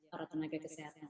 para tenaga kesehatan